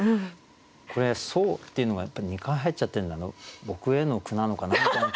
これ「そう」っていうのが２回入っちゃってるのは僕への句なのかなみたいな。